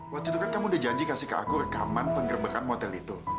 waktu itu kan kamu udah janji kasih ke aku rekaman penggerbekan hotel itu